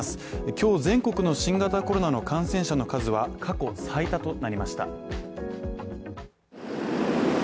今日、全国の新型コロナの感染者数は過去最多となりました。